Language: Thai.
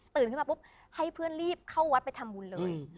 ขึ้นมาปุ๊บให้เพื่อนรีบเข้าวัดไปทำบุญเลย